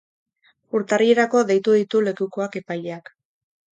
Urtarrilerako deitu ditu lekukoak epaileak.